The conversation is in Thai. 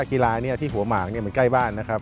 กีฬาที่หัวหมากมันใกล้บ้านนะครับ